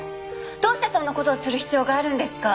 どうしてそんな事をする必要があるんですか？